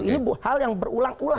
ini hal yang berulang ulang